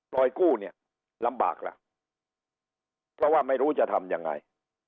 กู้เนี่ยลำบากล่ะเพราะว่าไม่รู้จะทำยังไง